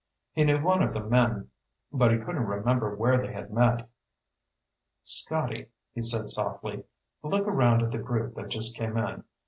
He knew one of the men, but he couldn't remember where they had met. "Scotty," he said softly, "look around at the group that just came in.